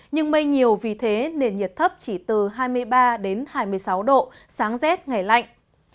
nhưng mây nhiều vì thế nền nhiệt thấp chỉ từ hai mươi ba đến hai mươi sáu độ sáng rét ngày lạnh